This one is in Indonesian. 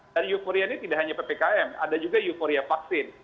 dan euforia ini tidak hanya ppkm ada juga euforia vaksin